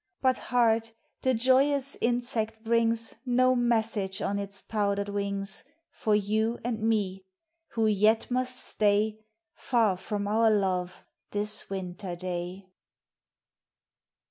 But, heart, the joyous insect brings No message on its powdered wings For you and me, who yet must stay Far from our love this Winter day.